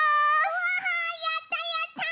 うわやったやった！